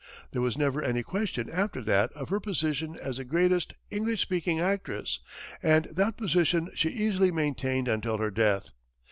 There was never any question, after that, of her position as the greatest English speaking actress, and that position she easily maintained until her death.